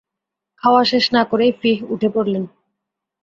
খাওয়া শেষ না করেই ফিহ উঠে পড়লেন।